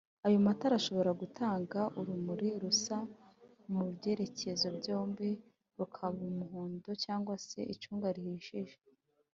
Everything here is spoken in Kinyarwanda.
ayo matara ashobora Gutanga urumuri rusa mubyerekezo byombi rukaba Umuhondo cg se icunga rihishije